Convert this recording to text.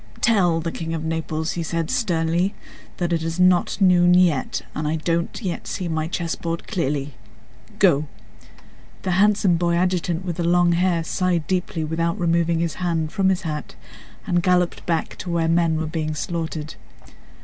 "Tell the King of Naples," said he sternly, "that it is not noon yet, and I don't yet see my chessboard clearly. Go!..." The handsome boy adjutant with the long hair sighed deeply without removing his hand from his hat and galloped back to where men were being slaughtered.